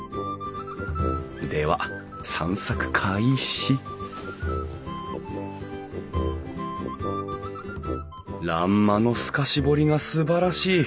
では散策開始欄間の透かし彫りがすばらしい！